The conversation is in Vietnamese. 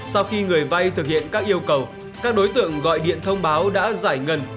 sau khi người vay thực hiện các yêu cầu các đối tượng gọi điện thông báo đã giải ngân